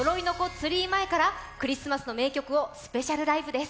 ツリー前からクリスマスの名曲をスペシャルライブです。